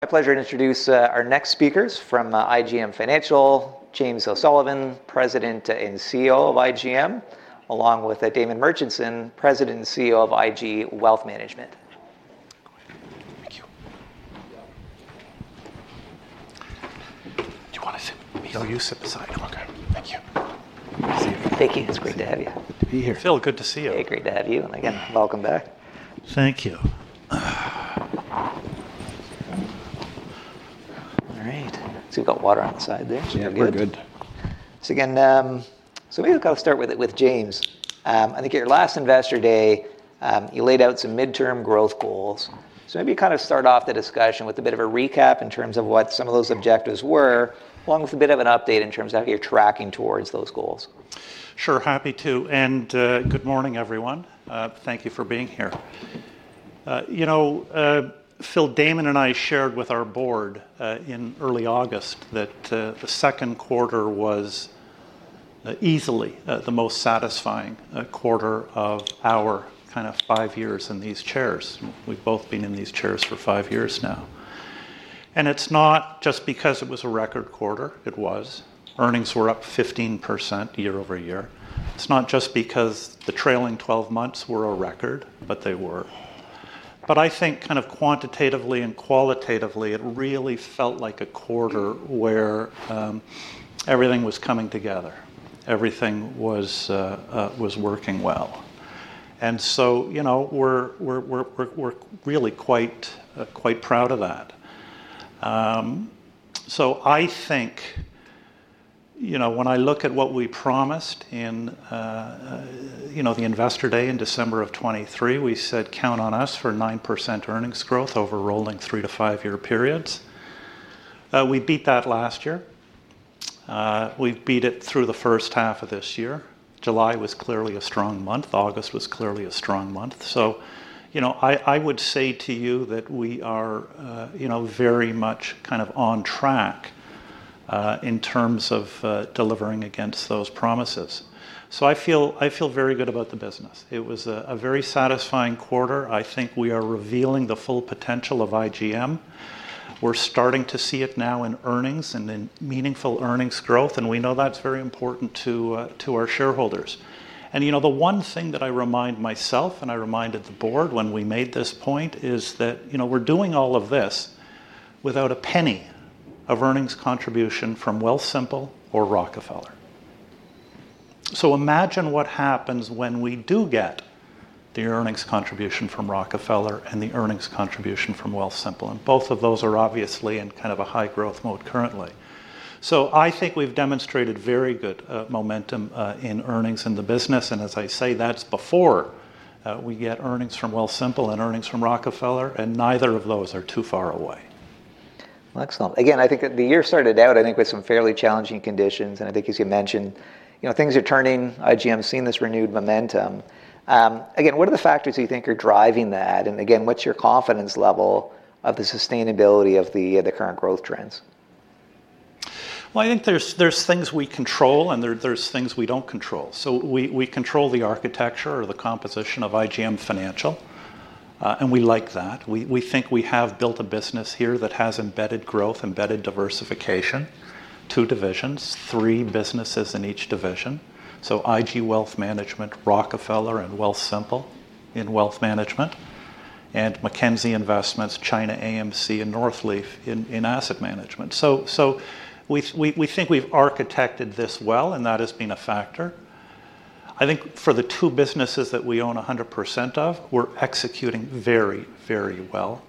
... My pleasure to introduce our next speakers. From IGM Financial, James O'Sullivan, President and CEO of IGM, along with Damon Murchison, President and CEO of IG Wealth Management. Thank you. Do you want to sit here? No, you sit beside him. Okay. Thank you. Thank you. It's great to have you. Good to be here. Phil, good to see you. Hey, great to have you, and again, welcome back. Thank you. All right, so you've got water on the side there. Yeah, we're good. So again, so maybe I'll start with James. I think at your last Investor Day, you laid out some midterm growth goals. So maybe kind of start off the discussion with a bit of a recap in terms of what some of those objectives were, along with a bit of an update in terms of how you're tracking towards those goals. Sure, happy to. And good morning, everyone. Thank you for being here. You know, Phil, Damon and I shared with our board in early August that the second quarter was easily the most satisfying quarter of our kind of five years in these chairs. We've both been in these chairs for five years now. And it's not just because it was a record quarter. It was. Earnings were up 15% year-over-year. It's not just because the trailing 12 months were a record, but they were. But I think kind of quantitatively and qualitatively, it really felt like a quarter where everything was coming together, everything was working well. And so, you know, we're really quite proud of that. So I think, you know, when I look at what we promised in, you know, the Investor Day in December of 2023, we said, "Count on us for 9% earnings growth over rolling three to five-year periods." We beat that last year. We've beat it through the first half of this year. July was clearly a strong month, August was clearly a strong month. So, you know, I would say to you that we are, you know, very much kind of on track, in terms of, delivering against those promises. So I feel very good about the business. It was a very satisfying quarter. I think we are revealing the full potential of IGM. We're starting to see it now in earnings and in meaningful earnings growth, and we know that's very important to our shareholders. And, you know, the one thing that I remind myself and I reminded the board when we made this point is that, you know, we're doing all of this without a penny of earnings contribution from Wealthsimple or Rockefeller. So imagine what happens when we do get the earnings contribution from Rockefeller and the earnings contribution from Wealthsimple, and both of those are obviously in kind of a high-growth mode currently. So I think we've demonstrated very good momentum in earnings in the business, and as I say, that's before we get earnings from Wealthsimple and earnings from Rockefeller, and neither of those are too far away. Excellent. Again, I think that the year started out, I think, with some fairly challenging conditions, and I think as you mentioned, you know, things are turning. IGM's seeing this renewed momentum. Again, what are the factors you think are driving that, and again, what's your confidence level of the sustainability of the, the current growth trends? Well, I think there's things we control and there's things we don't control. So we control the architecture or the composition of IGM Financial, and we like that. We think we have built a business here that has embedded growth, embedded diversification. Two divisions, three businesses in each division. So IG Wealth Management, Rockefeller, and Wealthsimple in wealth management, and Mackenzie Investments, ChinaAMC, and Northleaf in asset management. So we think we've architected this well, and that has been a factor. I think for the two businesses that we own 100% of, we're executing very, very well.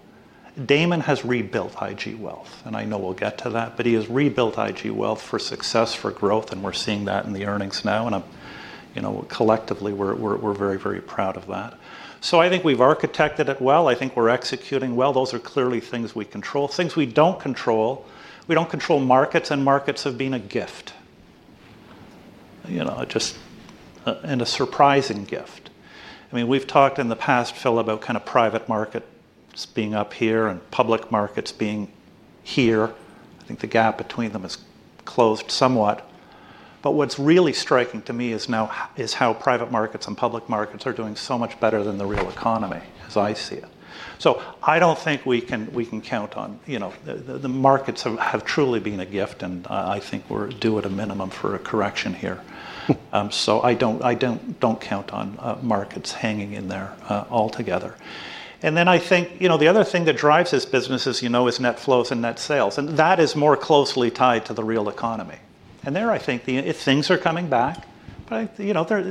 Damon has rebuilt IG Wealth, and I know we'll get to that, but he has rebuilt IG Wealth for success, for growth, and we're seeing that in the earnings now, you know, collectively, we're very, very proud of that. So I think we've architected it well. I think we're executing well. Those are clearly things we control. Things we don't control, we don't control markets, and markets have been a gift. You know, just and a surprising gift. I mean, we've talked in the past, Phil, about kind of private market just being up here and public markets being here. I think the gap between them has closed somewhat. But what's really striking to me is now how private markets and public markets are doing so much better than the real economy, as I see it. So I don't think we can count on. You know, the markets have truly been a gift, and I think we're due at a minimum for a correction here. So I don't count on markets hanging in there altogether. And then I think, you know, the other thing that drives this business, as you know, is net flows and net sales, and that is more closely tied to the real economy. And there, I think the things are coming back, but, you know, they're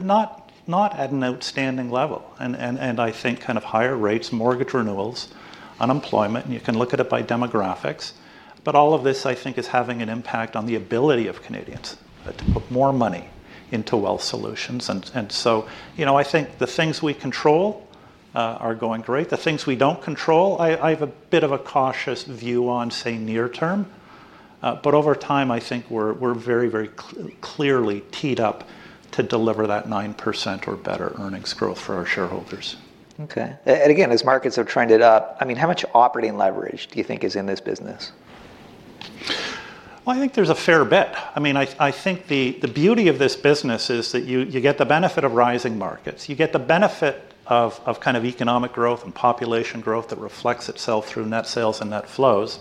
not at an outstanding level. And I think kind of higher rates, mortgage renewals, unemployment, and you can look at it by demographics, but all of this, I think, is having an impact on the ability of Canadians to put more money into wealth solutions. And so, you know, I think the things we control are going great. The things we don't control, I have a bit of a cautious view on, say, near term. but over time, I think we're very, very clearly teed up to deliver that 9% or better earnings growth for our shareholders. Okay. And again, as markets have trended up, I mean, how much operating leverage do you think is in this business?... I think there's a fair bit. I mean, I think the beauty of this business is that you get the benefit of rising markets, you get the benefit of kind of economic growth and population growth that reflects itself through net sales and net flows.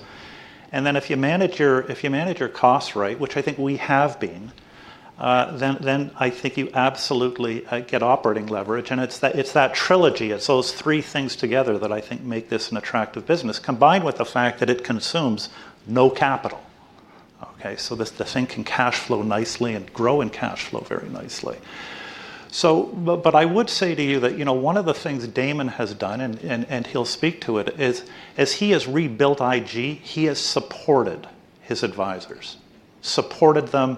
And then if you manage your costs right, which I think we have been, then I think you absolutely get operating leverage. And it's that trilogy, it's those three things together that I think make this an attractive business, combined with the fact that it consumes no capital, okay? So the thing can cash flow nicely and grow in cash flow very nicely. I would say to you that, you know, one of the things Damon has done, and he'll speak to it, is as he has rebuilt IG, he has supported his advisors. Supported them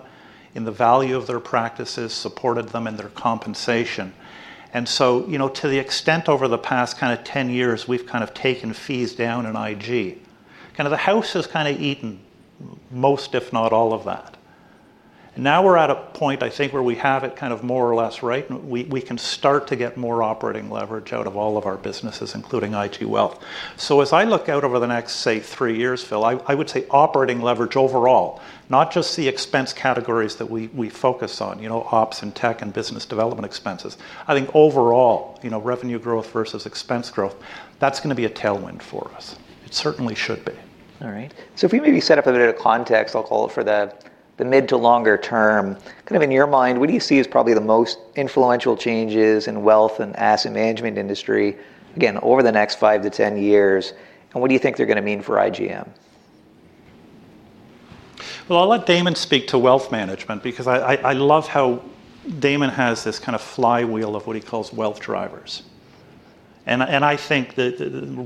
in the value of their practices, supported them in their compensation. You know, to the extent over the past kind of 10 years, we've kind of taken fees down in IG. Kinda the house has kinda eaten most, if not all of that. Now we're at a point, I think, where we have it kind of more or less right, and we can start to get more operating leverage out of all of our businesses, including IG Wealth. So as I look out over the next, say, three years, Phil, I would say operating leverage overall, not just the expense categories that we focus on, you know, ops and tech and business development expenses. I think overall, you know, revenue growth versus expense growth, that's gonna be a tailwind for us. It certainly should be. All right. So if we maybe set up a bit of context, I'll call it, for the mid to longer term, kind of in your mind, what do you see as probably the most influential changes in wealth and asset management industry, again, over the next five years-10 years, and what do you think they're gonna mean for IGM? I'll let Damon speak to wealth management, because I love how Damon has this kind of flywheel of what he calls wealth drivers. And I think that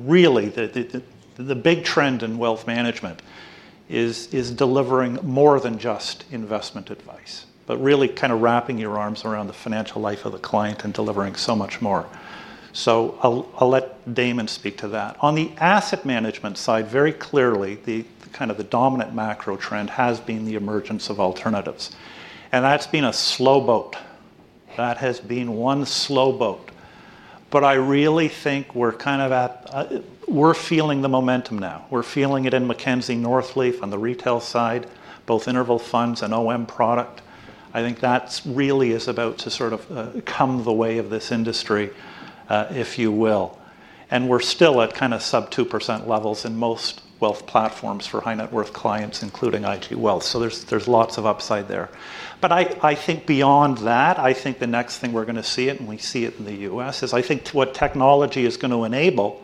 really, the big trend in wealth management is delivering more than just investment advice, but really kind of wrapping your arms around the financial life of the client and delivering so much more. So I'll let Damon speak to that. On the asset management side, very clearly, the kind of dominant macro trend has been the emergence of alternatives, and that's been a slow boat. That has been one slow boat. But I really think we're kind of at... We're feeling the momentum now. We're feeling it in Mackenzie Northleaf on the retail side, both interval funds and OM product. I think that really is about to sort of come the way of this industry, if you will. And we're still at kind of sub 2% levels in most wealth platforms for high net worth clients, including IG Wealth, so there's lots of upside there. But I think beyond that, I think the next thing we're gonna see, and we see it in the U.S., is I think what technology is going to enable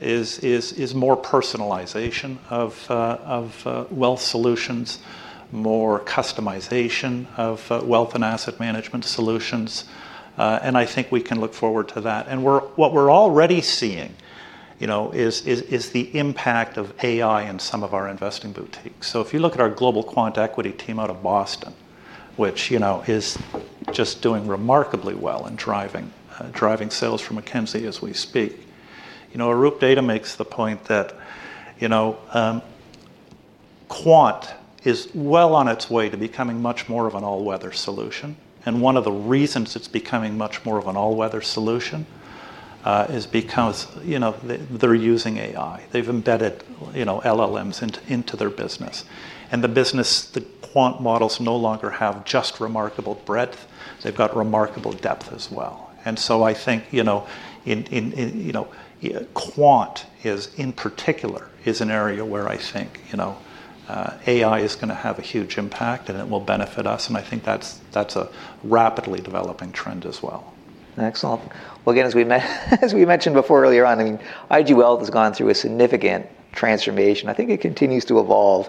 is more personalization of wealth solutions, more customization of wealth and asset management solutions. And I think we can look forward to that. And what we're already seeing, you know, is the impact of AI in some of our investing boutiques. So if you look at our global quant equity team out of Boston, which, you know, is just doing remarkably well in driving sales for Mackenzie as we speak, you know, Arup Datta makes the point that, you know, quant is well on its way to becoming much more of an all-weather solution. And one of the reasons it's becoming much more of an all-weather solution is because, you know, they, they're using AI. They've embedded, you know, LLMs into their business. And the business, the quant models no longer have just remarkable breadth, they've got remarkable depth as well. I think, you know, in particular, quant is an area where I think, you know, AI is gonna have a huge impact and it will benefit us, and I think that's a rapidly developing trend as well. Excellent. Well, again, as we mentioned before earlier on, I mean, IG Wealth has gone through a significant transformation. I think it continues to evolve.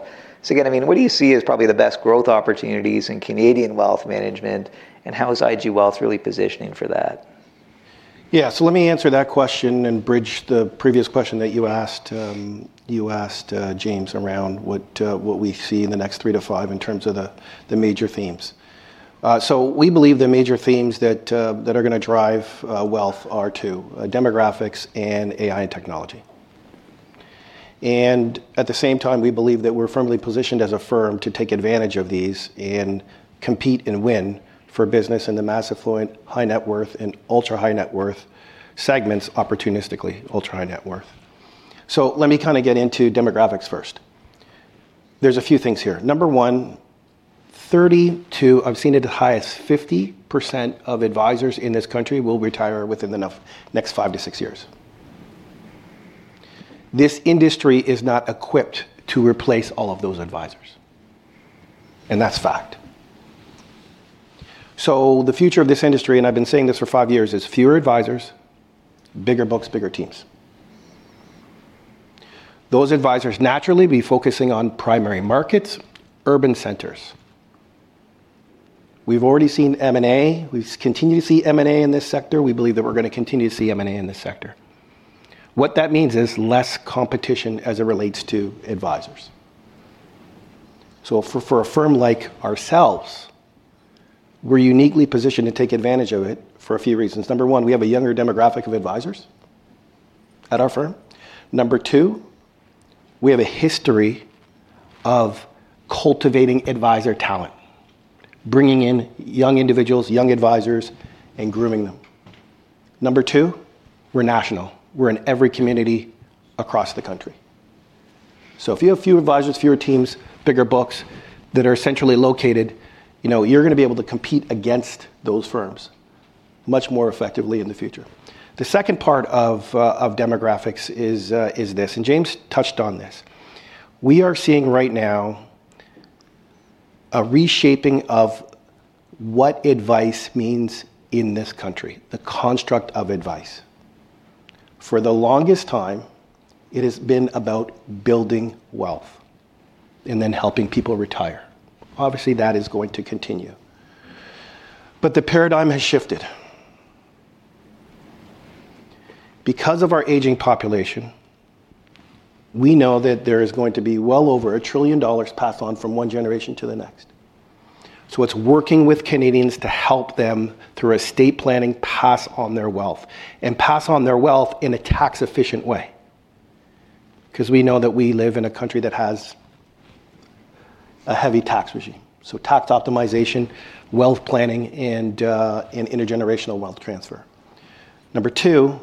Again, I mean, what do you see as probably the best growth opportunities in Canadian wealth management, and how is IG Wealth really positioning for that? Yeah, so let me answer that question and bridge the previous question that you asked, James, around what we see in the next three to five in terms of the major themes. We believe the major themes that are gonna drive wealth are two: demographics and AI and technology. And at the same time, we believe that we're firmly positioned as a firm to take advantage of these and compete and win for business in the mass affluent, high-net-worth, and ultra-high-net-worth segments, opportunistically ultra-high-net-worth. So let me kind of get into demographics first. There's a few things here. Number one, 32%, I've seen it as high as 50% of advisors in this country will retire within the next five years-six years. This industry is not equipped to replace all of those advisors, and that's fact. So the future of this industry, and I've been saying this for five years, is fewer advisors, bigger books, bigger teams. Those advisors naturally will be focusing on primary markets, urban centers. We've already seen M&A. We've continued to see M&A in this sector. We believe that we're gonna continue to see M&A in this sector. What that means is less competition as it relates to advisors. So for a firm like ourselves, we're uniquely positioned to take advantage of it for a few reasons. Number one, we have a younger demographic of advisors at our firm. Number two, we have a history of cultivating advisor talent, bringing in young individuals, young advisors, and grooming them.... Number two, we're national. We're in every community across the country. So if you have fewer advisors, fewer teams, bigger books that are centrally located, you know, you're gonna be able to compete against those firms much more effectively in the future. The second part of demographics is this, and James touched on this. We are seeing right now a reshaping of what advice means in this country, the construct of advice. For the longest time, it has been about building wealth and then helping people retire. Obviously, that is going to continue. But the paradigm has shifted. Because of our aging population, we know that there is going to be well over 1 trillion dollars passed on from one generation to the next. So it's working with Canadians to help them, through estate planning, pass on their wealth, and pass on their wealth in a tax-efficient way. 'Cause we know that we live in a country that has a heavy tax regime, so tax optimization, wealth planning, and intergenerational wealth transfer. Number two,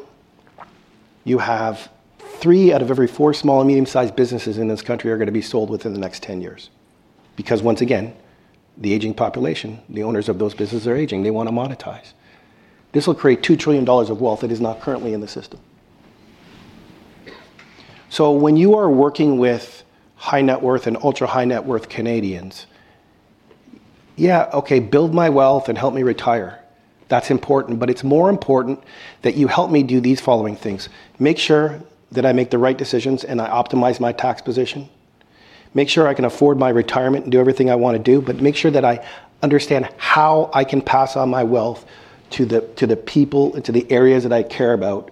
you have three out of every four small and medium-sized businesses in this country are gonna be sold within the next 10 years. Because once again, the aging population, the owners of those businesses are aging, they wanna monetize. This will create 2 trillion dollars of wealth that is not currently in the system. So when you are working with high-net worth and ultra-high-net worth Canadians, "Yeah, okay, build my wealth and help me retire. That's important, but it's more important that you help me do these following things: Make sure that I make the right decisions and I optimize my tax position. Make sure I can afford my retirement and do everything I wanna do, but make sure that I understand how I can pass on my wealth to the people and to the areas that I care about,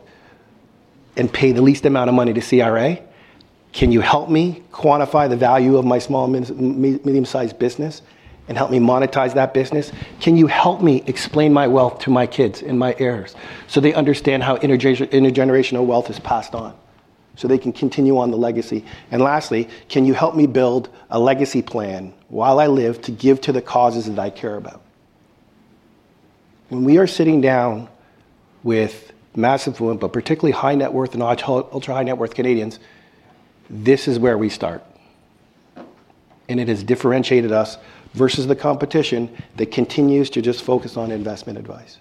and pay the least amount of money to CRA. Can you help me quantify the value of my small and medium-sized business and help me monetize that business? Can you help me explain my wealth to my kids and my heirs so they understand how intergenerational wealth is passed on, so they can continue on the legacy? And lastly, can you help me build a legacy plan while I live to give to the causes that I care about?" When we are sitting down with mass affluent, but particularly high-net-worth and ultra-high-net-worth Canadians, this is where we start, and it has differentiated us versus the competition that continues to just focus on investment advice.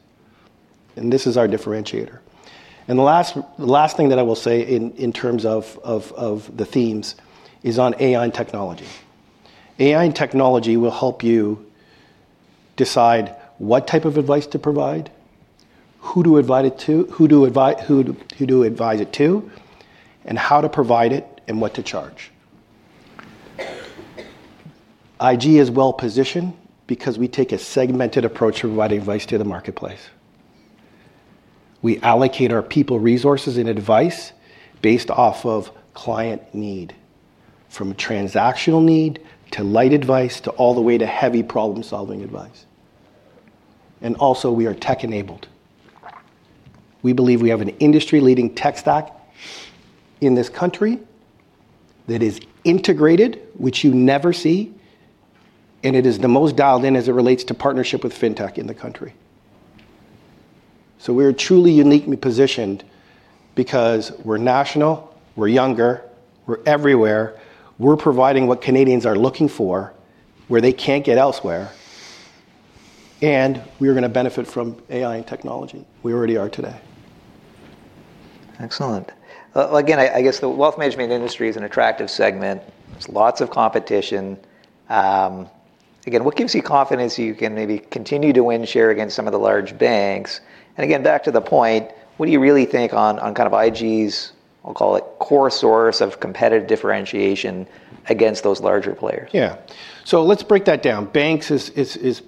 And this is our differentiator. The last thing that I will say in terms of the themes is on AI and technology. AI and technology will help you decide what type of advice to provide, who to advise it to, and how to provide it, and what to charge. IG is well-positioned because we take a segmented approach to providing advice to the marketplace. We allocate our people, resources, and advice based off of client need, from transactional need to light advice, to all the way to heavy problem-solving advice. And also, we are tech-enabled. We believe we have an industry-leading tech stack in this country that is integrated, which you never see, and it is the most dialed in as it relates to partnership with fintech in the country. So we're truly uniquely positioned because we're national, we're younger, we're everywhere, we're providing what Canadians are looking for, where they can't get elsewhere, and we are gonna benefit from AI and technology. We already are today. Excellent. Well, again, I guess the wealth management industry is an attractive segment. There's lots of competition. Again, what gives you confidence you can maybe continue to win share against some of the large banks? And again, back to the point, what do you really think on kind of IG's, I'll call it, core source of competitive differentiation against those larger players? Yeah. So let's break that down. Banks is...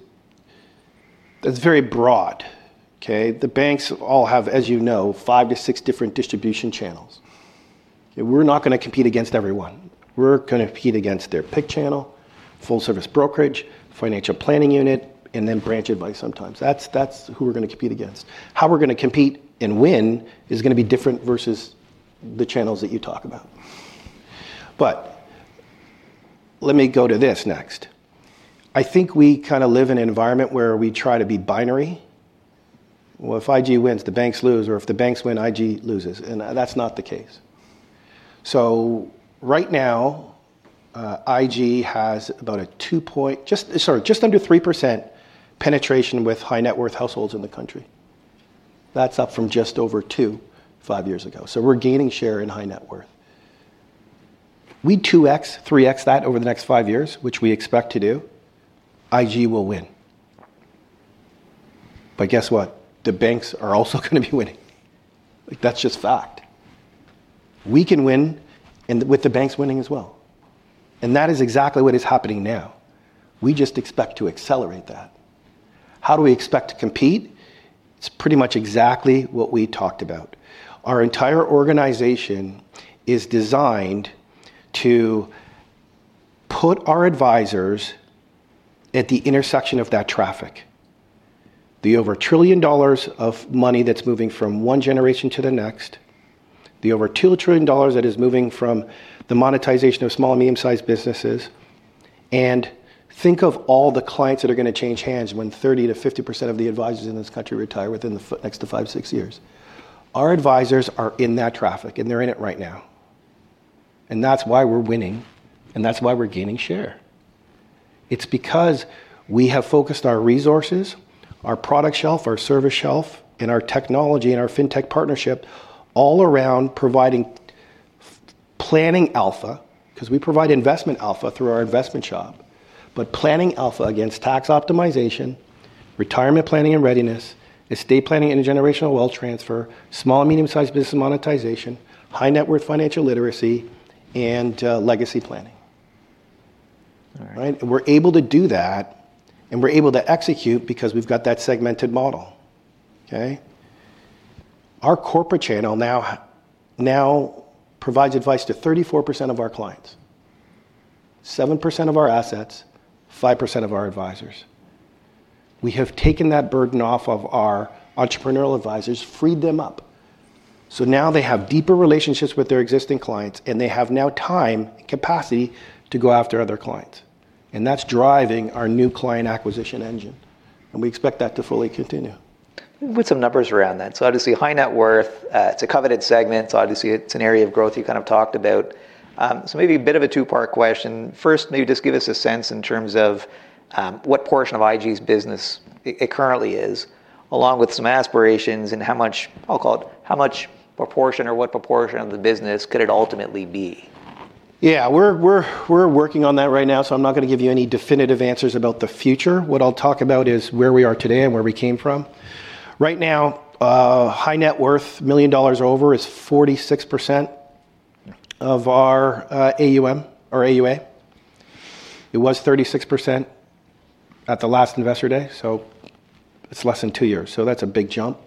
That's very broad, okay? The banks all have, as you know, five to six different distribution channels. Okay, we're not gonna compete against everyone. We're gonna compete against their PIC channel, full-service brokerage, financial planning unit, and then branch advice sometimes. That's who we're gonna compete against. How we're gonna compete and win is gonna be different versus the channels that you talk about. But let me go to this next. I think we kinda live in an environment where we try to be binary. Well, if IG wins, the banks lose, or if the banks win, IG loses, and that's not the case. So right now, IG has about a two-point, just under 3% penetration with high-net-worth households in the country. That's up from just over two, five years ago. So we're gaining share in high-net-worth. We 2x, 3x that over the next five years, which we expect to do. IG will win. But guess what? The banks are also gonna be winning. Like, that's just fact. We can win, and with the banks winning as well, and that is exactly what is happening now. We just expect to accelerate that. How do we expect to compete? It's pretty much exactly what we talked about. Our entire organization is designed to put our advisors at the intersection of that traffic. The over 1 trillion dollars of money that's moving from one generation to the next, the over 2 trillion dollars that is moving from the monetization of small, medium-sized businesses. And think of all the clients that are gonna change hands when 30%-50% of the advisors in this country retire within the next five, six years. Our advisors are in that traffic, and they're in it right now, and that's why we're winning, and that's why we're gaining share. It's because we have focused our resources, our product shelf, our service shelf, and our technology, and our fintech partnership, all around providing financial planning alpha. 'Cause we provide investment alpha through our investment shop, but planning alpha against tax optimization, retirement planning and readiness, estate planning, intergenerational wealth transfer, small and medium-sized business monetization, high-net-worth financial literacy, and legacy planning. All right. Right? And we're able to do that, and we're able to execute because we've got that segmented model, okay? Our corporate channel now provides advice to 34% of our clients, 7% of our assets, 5% of our advisors. We have taken that burden off of our entrepreneurial advisors, freed them up, so now they have deeper relationships with their existing clients, and they have now time and capacity to go after other clients, and that's driving our new client acquisition engine, and we expect that to fully continue. Put some numbers around that. So obviously, high net worth, it's a coveted segment, so obviously it's an area of growth you kind of talked about. So maybe a bit of a two-part question. First, maybe just give us a sense in terms of what portion of IG's business it currently is, along with some aspirations and how much, I'll call it, how much proportion or what proportion of the business could it ultimately be? Yeah, we're working on that right now, so I'm not gonna give you any definitive answers about the future. What I'll talk about is where we are today and where we came from. Right now, high net worth, million dollars or over, is 46% of our AUM or AUA. It was 36% at the last Investor Day, so it's less than two years, so that's a big jump.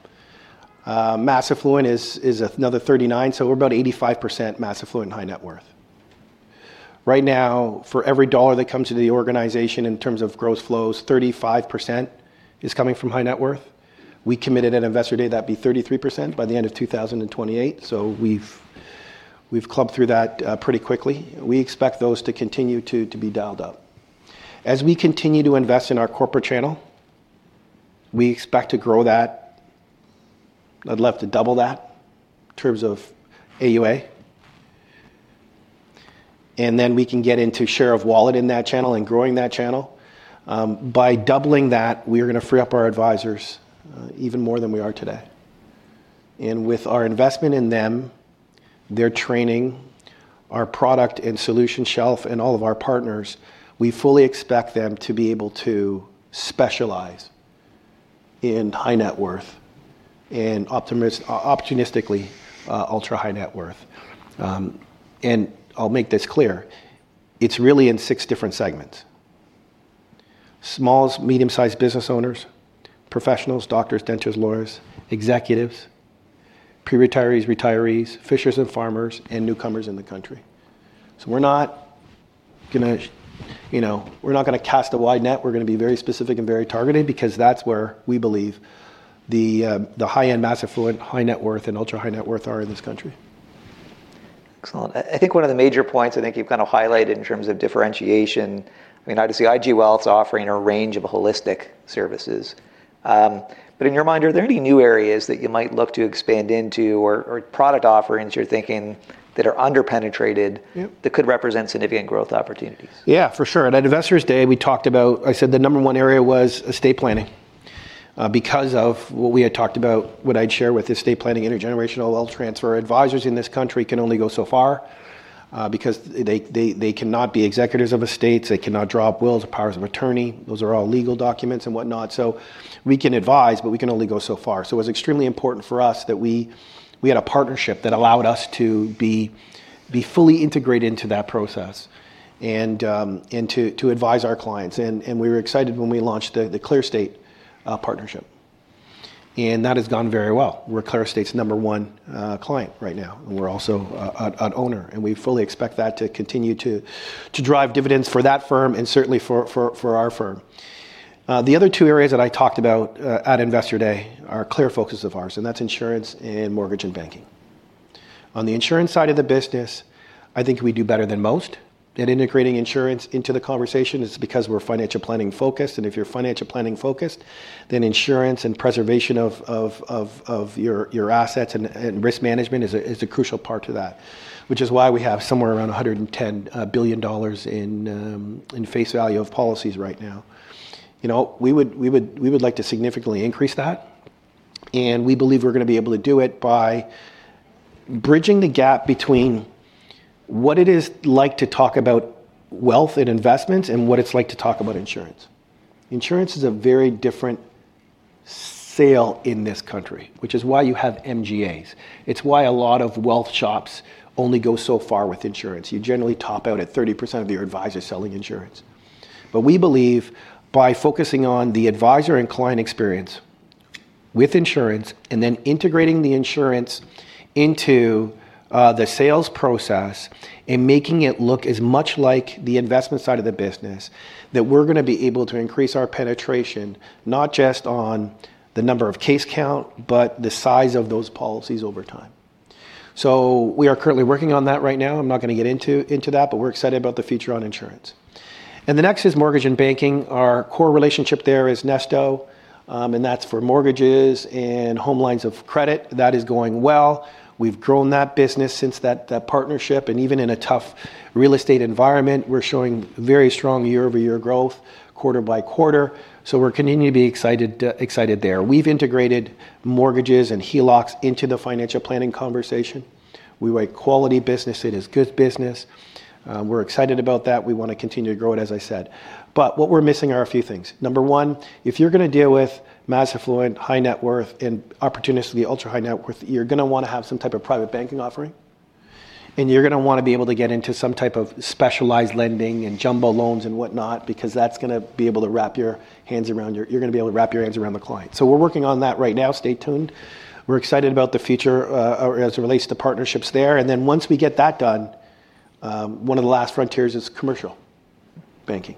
Mass affluent is another 39%, so we're about 85% mass affluent and high net worth. Right now, for every dollar that comes into the organization in terms of gross flows, 35% is coming from high net worth. We committed at Investor Day that'd be 33% by the end of 2028, so we've blown through that pretty quickly. We expect those to continue to be dialed up. As we continue to invest in our corporate channel, we expect to grow that. I'd love to double that in terms of AUA, and then we can get into share of wallet in that channel and growing that channel. By doubling that, we are gonna free up our advisors, even more than we are today. And with our investment in them, their training, our product and solution shelf, and all of our partners, we fully expect them to be able to specialize in high-net-worth and, opportunistically, ultra-high-net-worth. And I'll make this clear, it's really in six different segments: small, medium-sized business owners; professionals, doctors, dentists, lawyers; executives; pre-retirees, retirees; fishers and farmers; and newcomers in the country. So we're not gonna, you know, we're not gonna cast a wide net. We're gonna be very specific and very targeted because that's where we believe the high-end mass affluent, high-net-worth, and ultra-high-net-worth are in this country. Excellent. I think one of the major points I think you've kind of highlighted in terms of differentiation, I mean, obviously IG Wealth's offering a range of holistic services, but in your mind, are there any new areas that you might look to expand into or, or product offerings you're thinking that are under-penetrated- Yep... that could represent significant growth opportunities? Yeah, for sure. At Investors Day, we talked about... I said the number one area was estate planning. Because of what we had talked about, what I'd share with estate planning, intergenerational wealth transfer, advisors in this country can only go so far, because they cannot be executives of estates, they cannot draw up wills or powers of attorney. Those are all legal documents and whatnot. So we can advise, but we can only go so far. So it's extremely important for us that we had a partnership that allowed us to be fully integrated into that process and to advise our clients. And we were excited when we launched the ClearEstate partnership, and that has gone very well. We're ClearEstate's number one client right now, and we're also an owner, and we fully expect that to continue to drive dividends for that firm and certainly for our firm. The other two areas that I talked about at Investor Day are a clear focus of ours, and that's insurance and mortgage and banking. On the insurance side of the business, I think we do better than most at integrating insurance into the conversation, is because we're financial planning focused. And if you're financial planning focused, then insurance and preservation of your assets and risk management is a crucial part to that, which is why we have somewhere around 110 billion dollars in face value of policies right now. You know, we would like to significantly increase that, and we believe we're gonna be able to do it by bridging the gap between what it is like to talk about wealth and investments and what it's like to talk about insurance. Insurance is a very different sale in this country, which is why you have MGAs. It's why a lot of wealth shops only go so far with insurance. You generally top out at 30% of your advisors selling insurance. But we believe by focusing on the advisor and client experience with insurance, and then integrating the insurance into the sales process, and making it look as much like the investment side of the business, that we're gonna be able to increase our penetration, not just on the number of case count, but the size of those policies over time... We are currently working on that right now. I'm not gonna get into that, but we're excited about the future on insurance. The next is mortgage and banking. Our core relationship there is Nesto, and that's for mortgages and home lines of credit. That is going well. We've grown that business since that partnership, and even in a tough real estate environment, we're showing very strong year-over-year growth quarter-by-quarter. We're continuing to be excited there. We've integrated mortgages and HELOCs into the financial planning conversation. We write quality business. It is good business. We're excited about that. We want to continue to grow it, as I said. But what we're missing are a few things. Number one, if you're gonna deal with mass affluent, high net worth, and opportunistically ultra-high net worth, you're gonna want to have some type of private banking offering, and you're gonna want to be able to get into some type of specialized lending and jumbo loans and whatnot because that's gonna be able to wrap your hands around your... You're gonna be able to wrap your hands around the client. So we're working on that right now. Stay tuned. We're excited about the future as it relates to partnerships there, and then once we get that done, one of the last frontiers is commercial banking.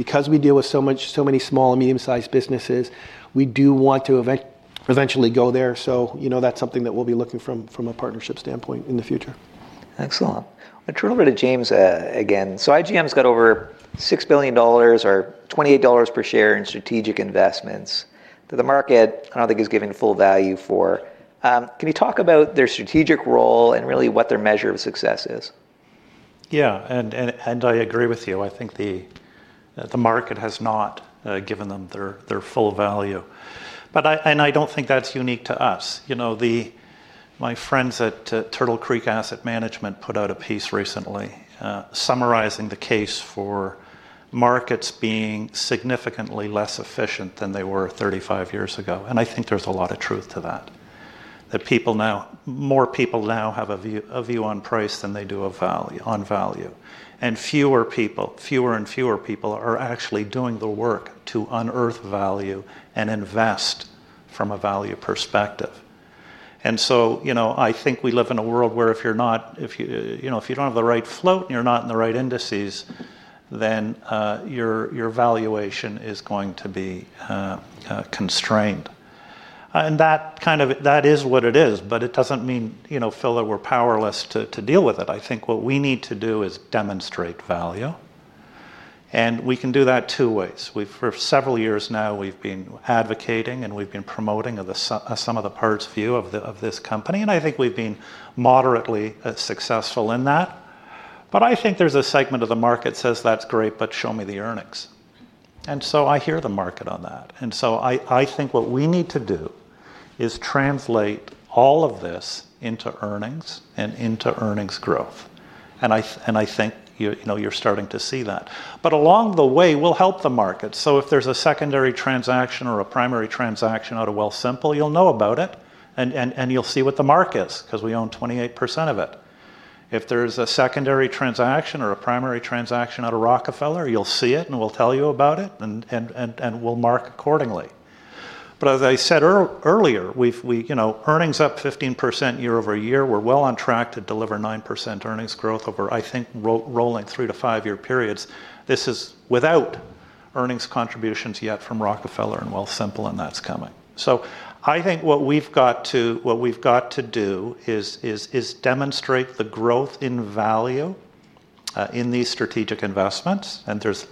Because we deal with so many small and medium-sized businesses, we do want to eventually go there, so, you know, that's something that we'll be looking from a partnership standpoint in the future. Excellent. I turn over to James, again. So IGM's got over 6 billion dollars or 28 dollars per share in strategic investments that the market I don't think has given full value for. Can you talk about their strategic role and really what their measure of success is? Yeah, and I agree with you. I think the market has not given them their full value, but I don't think that's unique to us. You know, my friends at Turtle Creek Asset Management put out a piece recently summarizing the case for markets being significantly less efficient than they were 35 years ago, and I think there's a lot of truth to that, that more people now have a view on price than they do on value, and fewer and fewer people are actually doing the work to unearth value and invest from a value perspective. And so, you know, I think we live in a world where if you're not you know if you don't have the right float and you're not in the right indices, then your valuation is going to be constrained. And that, kind of, that is what it is, but it doesn't mean, you know, Phil, that we're powerless to deal with it. I think what we need to do is demonstrate value, and we can do that two ways. We've. For several years now, we've been advocating, and we've been promoting the sum of the parts view of this company, and I think we've been moderately successful in that. But I think there's a segment of the market says, "That's great, but show me the earnings." And so I hear the market on that, and so I think what we need to do is translate all of this into earnings and into earnings growth, and I think you know you're starting to see that. But along the way, we'll help the market. So if there's a secondary transaction or a primary transaction out of Wealthsimple, you'll know about it, and you'll see what the market is 'cause we own 28% of it. If there's a secondary transaction or a primary transaction out of Rockefeller, you'll see it, and we'll tell you about it, and we'll mark accordingly. But as I said earlier, we've you know earnings up 15% year-over-year. We're well on track to deliver 9% earnings growth over, I think, rolling three to five-year periods. This is without earnings contributions yet from Rockefeller and Wealthsimple, and that's coming. So I think what we've got to do is demonstrate the growth in value in these strategic investments, and there's,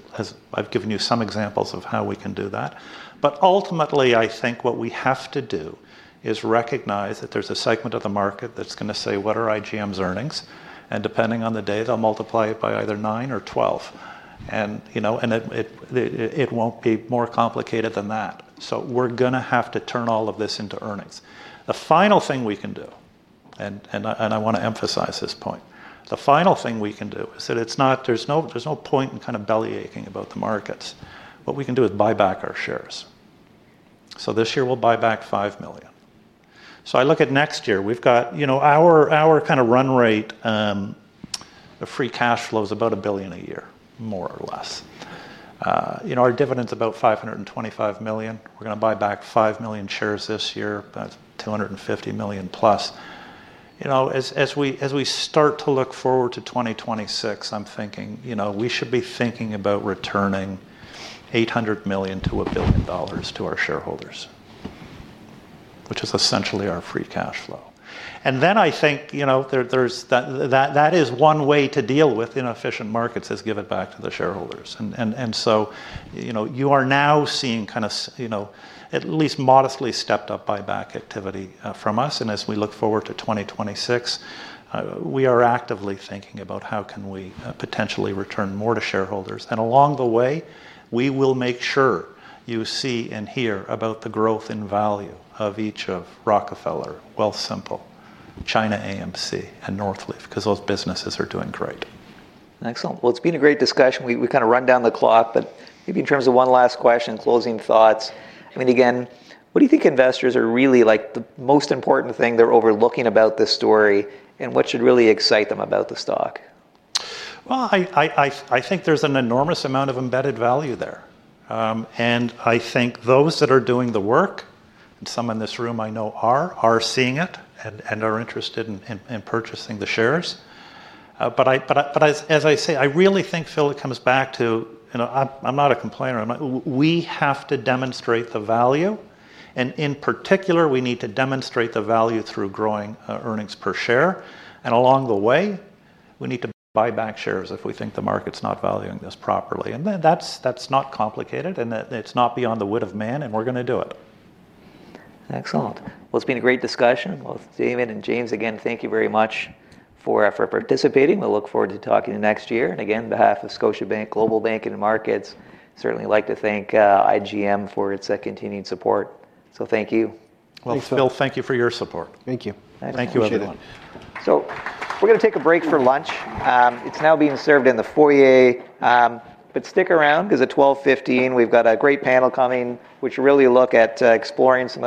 I've given you some examples of how we can do that. But ultimately, I think what we have to do is recognize that there's a segment of the market that's gonna say, "What are IGM's earnings?" And depending on the day, they'll multiply it by either nine or 12, and, you know, and it won't be more complicated than that. So we're gonna have to turn all of this into earnings. The final thing we can do is that it's not... There's no point in kind of bellyaching about the markets. What we can do is buy back our shares. So this year we'll buy back 5 million. So I look at next year. We've got, you know, our kind of run rate of free cash flow is about 1 billion a year, more or less. You know, our dividend's about 525 million. We're gonna buy back 5 million shares this year. That's 250 million+. You know, as we start to look forward to 2026, I'm thinking, you know, we should be thinking about returning 800 million-1 billion dollars to our shareholders, which is essentially our free cash flow. And then I think, you know, there's that is one way to deal with inefficient markets, is give it back to the shareholders. And so, you know, you are now seeing at least modestly stepped up buyback activity from us, and as we look forward to 2026, we are actively thinking about how can we potentially return more to shareholders? And along the way, we will make sure you see and hear about the growth and value of each of Rockefeller, Wealthsimple, ChinaAMC, and Northleaf, 'cause those businesses are doing great. Excellent. Well, it's been a great discussion. We've kind of run down the clock, but maybe in terms of one last question, closing thoughts. I mean, again, what do you think investors are really... Like, the most important thing they're overlooking about this story, and what should really excite them about the stock? I think there's an enormous amount of embedded value there, and I think those that are doing the work, and some in this room I know are seeing it and are interested in purchasing the shares. But as I say, I really think, Phil, it comes back to, you know, I'm not a complainer. I'm not... We have to demonstrate the value, and in particular, we need to demonstrate the value through growing earnings per share, and along the way, we need to buy back shares if we think the market's not valuing us properly. And then that's not complicated, and it's not beyond the wit of man, and we're gonna do it. Excellent. Well, it's been a great discussion. Both Damon and James, again, thank you very much for participating. We look forward to talking to you next year. And again, on behalf of Scotiabank Global Banking and Markets, certainly like to thank IGM for its continued support, so thank you. Phil, thank you for your support. Thank you. Thank you, everyone. So we're gonna take a break for lunch. It's now being served in the foyer. But stick around, 'cause at 12:15 P.M., we've got a great panel coming, which really look at, exploring some of the-